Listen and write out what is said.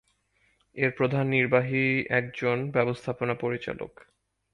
এর প্রধান নির্বাহী একজন ব্যবস্থাপনা পরিচালক।